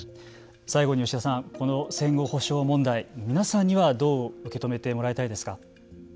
最後に吉田さん戦後補償問題皆さんにはどう受け止めてもらいたいですか。